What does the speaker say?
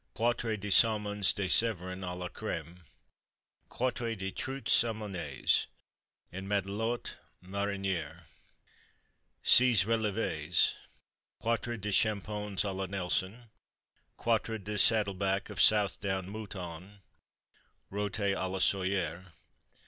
Quatre de Saumons de Severn à la Crême. Quatre de Truites Saumonées en Matelotte Marinière. Seize Reléves. Quatre de Chapons à la Nelson. Quatre de Saddleback of Southdown Mouton, rôti à la Soyer.